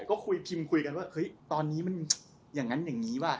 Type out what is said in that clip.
ก็คุยพิมพ์คุยกันว่าเฮ้ยตอนนี้มันอย่างนั้นอย่างนี้ว่ะ